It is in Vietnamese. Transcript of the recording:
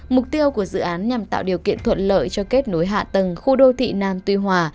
mục tiêu của dự án nhằm tạo điều kiện thuận lợi cho kết nối hạ tầng khu đô thị nam tuy hòa